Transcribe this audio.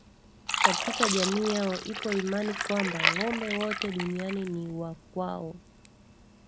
Katika jamii yao ipo imani kwamba ngombe wote duniani ni wa kwao